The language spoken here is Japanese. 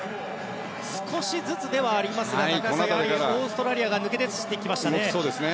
少しずつではありますがオーストラリアが抜け出してきましたね。